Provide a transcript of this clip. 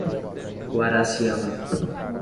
Guaraciama